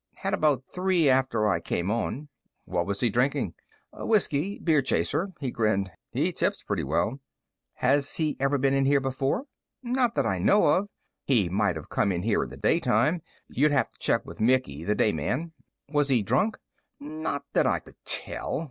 Had about three after I came on." "What was he drinking?" "Whisky. Beer chaser." He grinned. "He tips pretty well." "Has he ever been in here before?" "Not that I know of. He might've come in in the daytime. You'd have to check with Mickey, the day man." "Was he drunk?" "Not that I could tell.